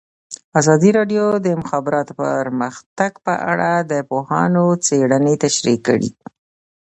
ازادي راډیو د د مخابراتو پرمختګ په اړه د پوهانو څېړنې تشریح کړې.